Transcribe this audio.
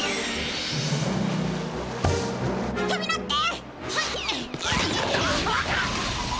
飛び乗って！